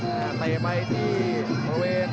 อาจหลายหมายที่บริเวณ